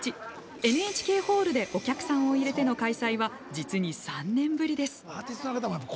ＮＨＫホールでお客さんを入れての開催は実に３年ぶりです。